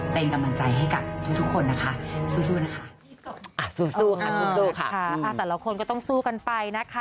เป็นกำลังใจให้กับทุกคนนะคะสู้นะคะ